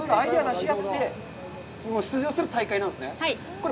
これ？